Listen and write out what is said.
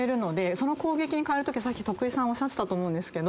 その攻撃に変えるときはさっき徳井さんおっしゃってたと思うけど。